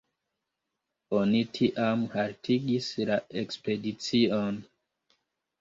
Oni tiam haltigis la ekspedicion.